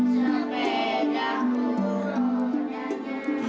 sepedaku rodanya dua